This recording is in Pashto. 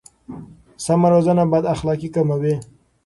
سمه روزنه بد اخلاقي کموي.